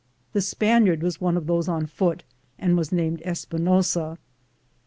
The Spaniard was one of those on foot, and was named Espinosa.